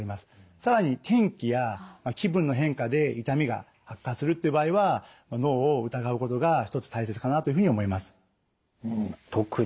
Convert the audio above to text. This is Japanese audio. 更に天気や気分の変化で痛みが悪化するっていう場合は脳を疑うことが一つ大切かなというふうに思います。